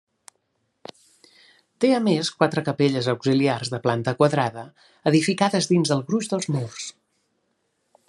Té, a més, quatre capelles auxiliars, de planta quadrada, edificades dins el gruix dels murs.